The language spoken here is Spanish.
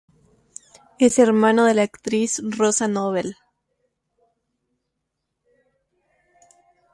Es hermano de la actriz Rosa Novell.